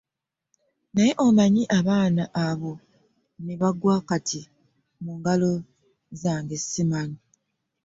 Naye omanyi abaana abo ne bangwa kati mu ngalo zange simanyi.